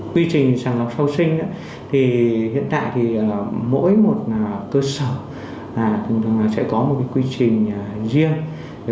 quy trình sàng lọc sau sinh thì hiện tại mỗi một cơ sở thường thường sẽ có một quy trình riêng